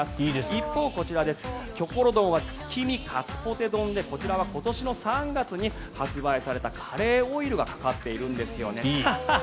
一方こちら、キョコロ丼は月見カツポテ丼でこちらは今年の３月に発売されたカレーオイルがかかっているんですよね。